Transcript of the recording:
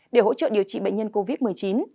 để hỗ trợ điều trị bệnh nhân covid một mươi chín